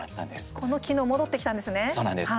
この機能戻ってきたんですね。